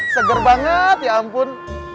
seger banget ya ampun